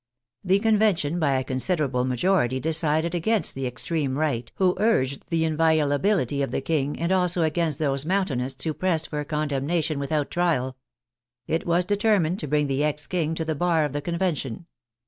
The Convention by a considerable ma jority decided against the extreme right, who urged the inviolability of the King, and also against those Moun tainists who pressed for a condemnation without trial. It was determined to bring the ex King to the bar of the Convention.